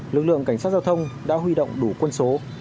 lực lượng cảnh sát giao thông đã huy động đủ quân số